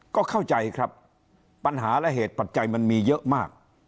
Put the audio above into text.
ก็เข้าใจครับปัญหาและเหตุปัจจัยมันมีเยอะมาก